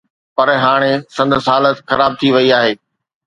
پر هاڻي سندس حالت خراب ٿي وئي آهي.